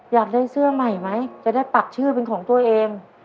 อยากได้เสื้อใหม่ไหมจะได้ปักชื่อเป็นของตัวเอง